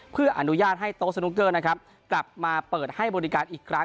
เพื่ออนุญาตให้โต๊ะสนุกเกอร์นะครับกลับมาเปิดให้บริการอีกครั้ง